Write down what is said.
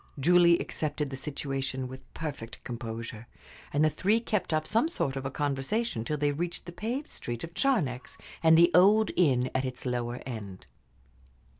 Julie accepted the situation with perfect composure, and the three kept up some sort of a conversation till they reached the paved street of Charnex and the old inn at its lower end.